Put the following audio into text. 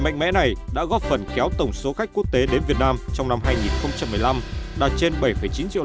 mạnh mẽ này đã góp phần kéo tổng số khách quốc tế đến việt nam trong năm hai nghìn một mươi năm đạt trên bảy chín triệu